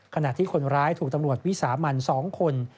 ขณะที่คนร้ายถูกตำรวจวิสามัน๒คน